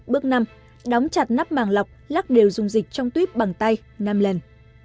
bước năm đóng chặt nắp màng lọc lắc đều dùng dịch trong tuyếp bằng tay năm lần